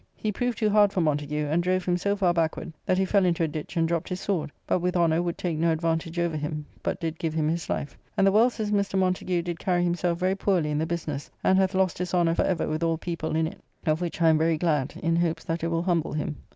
He proved too hard for Montagu, and drove him so far backward that he fell into a ditch, and dropt his sword, but with honour would take no advantage over him; but did give him his life: and the world says Mr. Montagu did carry himself very poorly in the business, and hath lost his honour for ever with all people in it, of which I am very glad, in hopes that it will humble him.